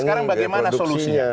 sekarang bagaimana solusinya